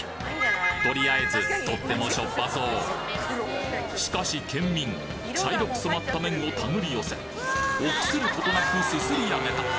とりあえずとってもしかし県民茶色く染まった麺を手繰り寄せ臆することなくすすりあげた！